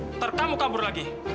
nanti kamu kabur lagi